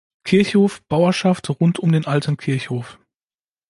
Kirchhof, Bauerschaft rund um den alten Kirchhof.